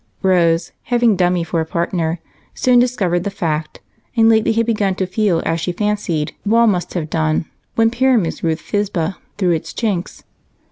Rose, having Dummy for a partner, soon discovered the fact and lately had begun to feel as she fancied Wall must have done when Pyramus wooed Thisbe through its chinks.